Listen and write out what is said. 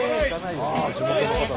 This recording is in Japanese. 地元の方が。